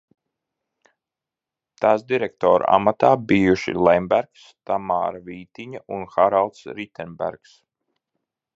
Tās direktora amatā bijuši Lembergs, Tamāra Vītiņa un Haralds Ritenbergs.